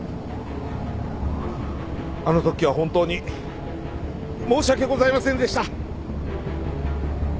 あのときは本当に申し訳ございませんでした！